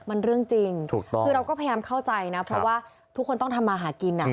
มันเรื่องจริงถูกต้องคือเราก็พยายามเข้าใจนะเพราะว่าทุกคนต้องทำมาหากิน